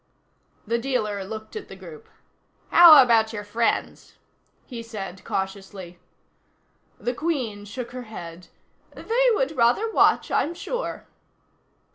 The dealer looked at the group. "How about your friends?" he said cautiously. The queen shook her head. "They would rather watch, I'm sure."